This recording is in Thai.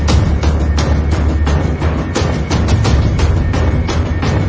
จะหนีไปไหนอะไรประมาณนี้ครับผมก็วิ่งไปสักนิดนึง